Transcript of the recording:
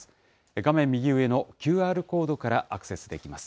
画面右上のＱＲコードからアクセスできます。